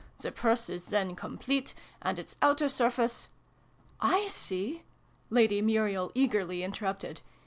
The Purse is then complete, and its outer surface "/ see!" Lady Muriel eagerly interrupted.